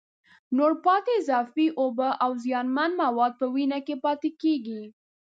نورې پاتې اضافي اوبه او زیانمن مواد په وینه کې پاتېږي.